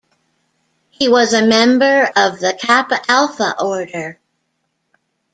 He was a member of the Kappa Alpha Order.